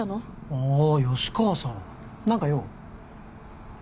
ああ吉川さん何か用？